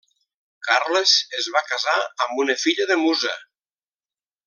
Carles es va casar amb una filla de Musa.